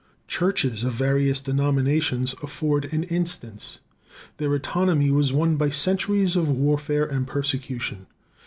Churches of various denominations afford an instance. Their autonomy was won by centuries of warfare and persecution.